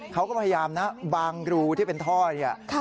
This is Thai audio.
เค้าก็พยายามนะบางรูที่เป็นท่ออย่างนี้